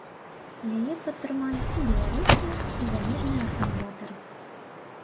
Яе падтрымалі і беларускія, і замежныя арганізатары.